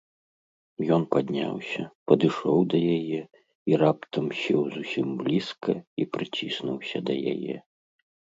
Ён падняўся, падышоў да яе і раптам сеў зусім блізка і прыціснуўся да яе.